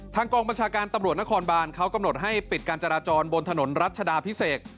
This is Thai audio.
กองบัญชาการตำรวจนครบานเขากำหนดให้ปิดการจราจรบนถนนรัชดาพิเศษ